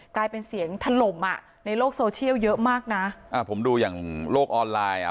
กลายเป็นเสียงถล่มอ่ะในโลกโซเชียลเยอะมากนะอ่าผมดูอย่างโลกออนไลน์อ่ะ